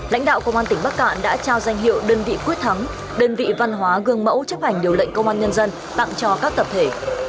lãnh đạo công an tỉnh bắc cạn đã trao danh hiệu đơn vị quyết thắng đơn vị văn hóa gương mẫu chấp hành điều lệnh công an nhân dân tặng cho các tập thể